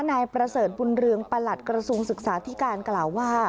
นายประเสริฐบุญเรืองประหลัดกระทรวงศึกษาธิการกล่าวว่า